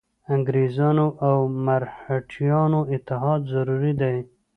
انګرېزانو او مرهټیانو اتحاد ضروري دی.